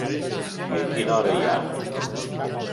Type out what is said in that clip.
I a quina hora hi ha?